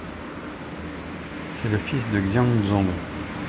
C'est le fils de Xianzong.